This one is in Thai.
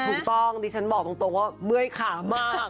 ถูกต้องดิฉันบอกตรงว่าเมื่อยขามาก